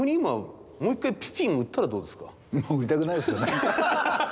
逆に今もう売りたくないですよね。